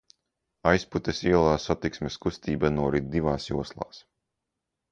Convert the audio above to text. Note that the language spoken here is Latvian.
Aizputes ielā satiksmes kustība norit divās joslās.